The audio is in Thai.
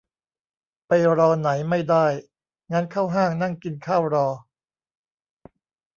ไปรอไหนไม่ได้ งั้นเข้าห้างนั่งกินข้าวรอ